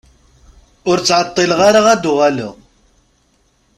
Ur ttɛeṭṭileɣ ara ad d-uɣaleɣ.